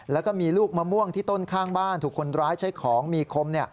แล้วก็มีลูกมะม่วงที่ต้นข้างบ้านถูกคนร้ายใช้ของมีคม